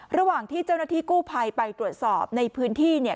ระหว่างที่เจ้าหน้าที่กู้ภัยไปตรวจสอบในพื้นที่เนี่ย